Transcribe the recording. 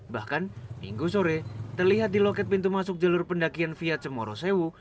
bahkan minggu sore terlihat di loket pintu masuk jalur pendakian via cemorosewu